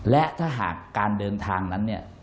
และถ้าหากการเดินทางนั้น